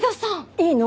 いいの？